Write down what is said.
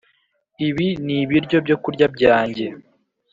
Ibi n ibiryo Byo kurya byanjye